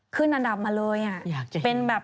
ขึ้นอันดับมาเลยอ่ะ